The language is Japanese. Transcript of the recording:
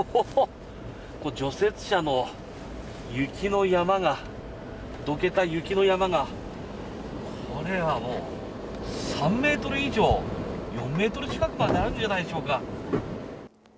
除雪車も雪の山がどけた雪の山がこれはもう３ｍ以上４ｍ近くあるんじゃないでしょうか？